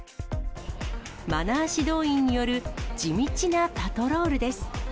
マナー指導員による地道なパトロールです。